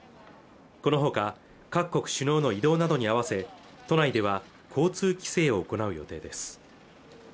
このほか各国首脳の移動などに合わせ都内では交通規制を行う予定です